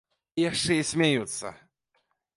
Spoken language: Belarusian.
І яшчэ і смяюцца.